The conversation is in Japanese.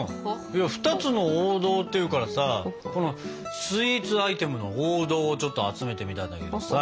「２つの王道」っていうからさこのスイーツアイテムの王道をちょっと集めてみたんだけどさ。